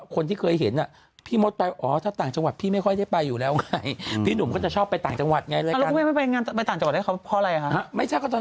ขี้เกียจใช่ไม่ใช่